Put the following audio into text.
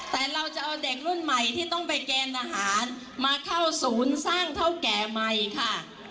แต่เราจะเอาเด็กรุ่นใหม่ที่ต้องไปเกณฑ์ทหารมาเข้าศูนย์สร้างเท่าแก่ใหม่ค่ะ